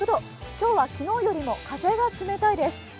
今日は昨日よりも風が冷たいです。